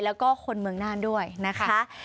แล้วก็คนเมืองน่านด้วยนะคะ